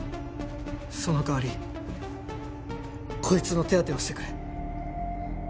その代わりこいつの手当てをしてくれ。